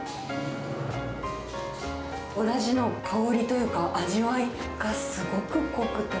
おだしの香りというか、味わいがすごく濃くて。